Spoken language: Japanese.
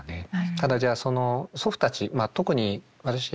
ただじゃあその祖父たちまあ特に私がね